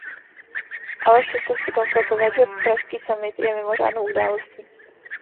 Ale přesto chci konstatovat, že pražský summit je mimořádnou událostí.